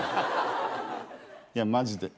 いやマジで。